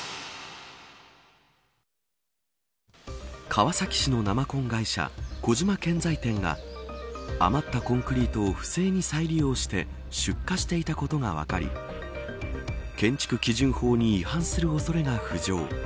川崎市の生コン会社小島建材店が余ったコンクリートを不正に再利用して出荷していたことが分かり建築基準法に違反する恐れが浮上。